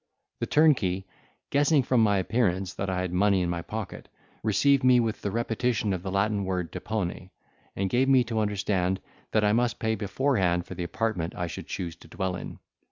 The turnkey, guessing from my appearance that I had money in my pocket, received me with the repetition of the Latin word depone, and gave me to understand, that I must pay beforehand for the apartment I should choose to dwell in.